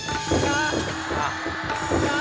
あっ。